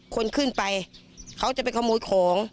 คนขึ้นไปเขาจะไปขโมยของ